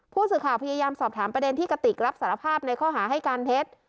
ผู้สื่อข่าวพยายามสอบถามประเด็นที่กระติกรับสารภาพในข้อหาให้การเท็จ